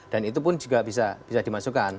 dan itu pun juga bisa dimasukkan